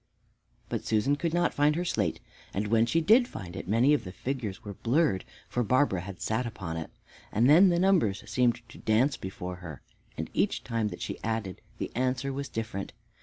But Susan could not find her slate, and when she did find it many of the figures were blurred, for Barbara had sat upon it. And then the numbers seemed to dance before her, and each time that she added, the answer was different.